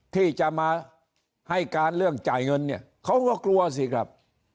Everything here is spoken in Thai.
ที่จะมาให้การเรื่องจ่ายเงินเนี่ยเขาก็กลัวสิครับ